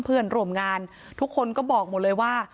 พ่อของสทเปี๊ยกบอกว่า